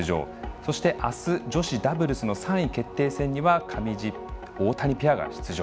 そして、あす女子ダブルスの３位決定戦には上地、大谷ペアが出場。